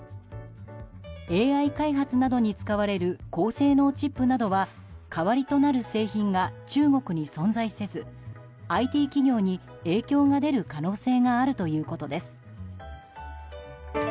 ＡＩ開発などに使われる高性能チップなどは代わりとなる製品が中国に存在せずＩＴ企業に影響が出る可能性があるということです。